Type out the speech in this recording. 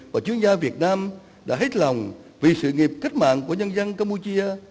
và chuyên gia việt nam đã hết lòng vì sự nghiệp cách mạng của nhân dân campuchia